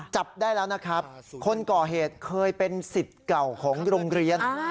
จับได้แล้วนะครับคนก่อเหตุเคยเป็นสิทธิ์เก่าของโรงเรียน